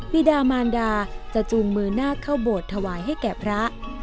ิดามานดาจะจูงมือหน้าเข้าโบสถ์ถวายให้แก่พระ